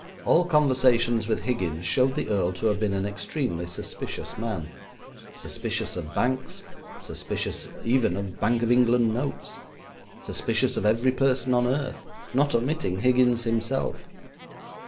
All conversations with Higgins showed the earl to have been an extremely suspicious man; suspicious of banks, suspicious even of Bank of England notes, suspicious of every person on earth, not omitting Higgins himself.